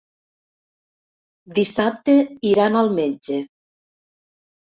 Dissabte iran al metge.